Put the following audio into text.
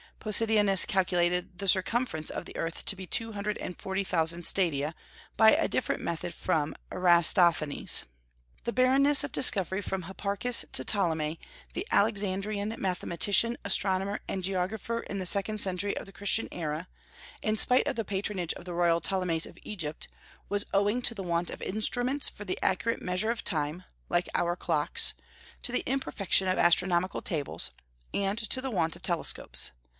Posidonius calculated the circumference of the earth to be two hundred and forty thousand stadia, by a different method from Eratosthenes. The barrenness of discovery from Hipparchus to Ptolemy, the Alexandrian mathematician, astronomer, and geographer in the second century of the Christian era, in spite of the patronage of the royal Ptolemies of Egypt, was owing to the want of instruments for the accurate measure of time (like our clocks), to the imperfection of astronomical tables, and to the want of telescopes.